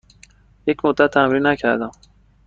یک مدت تمرین نکردم.